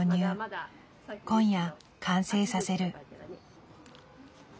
今夜完成させる。